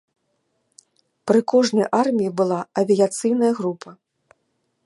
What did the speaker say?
Пры кожнай арміі была авіяцыйная група.